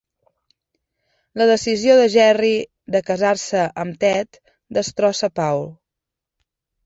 La decisió de Jerry de casar-se amb Ted destrossa Paul.